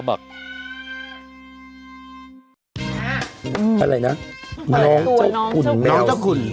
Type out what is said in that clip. เปิดตัวน้องเจ้าขุ่น